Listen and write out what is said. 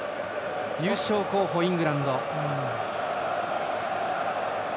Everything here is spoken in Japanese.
優勝候補イングランド。